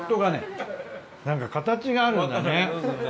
何か形があるんだね。